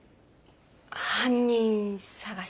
犯人捜し。